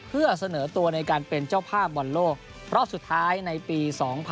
เพื่อเสนอตัวในการเป็นเจ้าภาพบอลโลกรอบสุดท้ายในปี๒๐๑๖